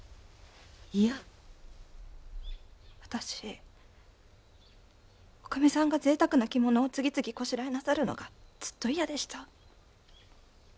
私女将さんが贅沢な着物を次々こしらえなさるのがずっと嫌でした。